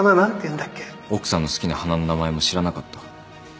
奥さんの好きな花の名前も知らなかった。